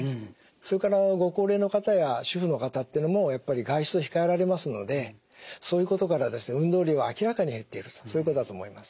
それからご高齢の方や主婦の方っていうのもやっぱり外出を控えられますのでそういうことから運動量は明らかに減っているとそういうことだと思います。